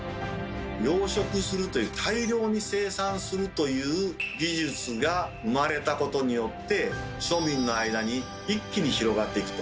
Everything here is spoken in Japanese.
養殖するという大量に生産するという技術が生まれたことによって庶民の間に一気に広がっていくと。